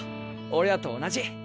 俺らと同じ。